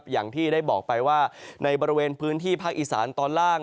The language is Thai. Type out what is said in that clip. อย่างที่ได้บอกไปว่าในบริเวณพื้นที่ภาคอีสานตอนล่าง